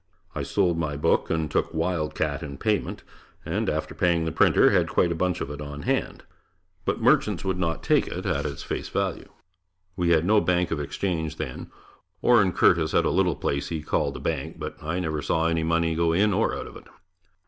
I sold my book and took "Wild Cat" in payment and, after paying the printer, had quite a bunch of it on hand, but merchants would not take it at its face value. We had no bank of exchange then. Orin Curtis had a little place he called a bank, but I never saw money go in or out of it.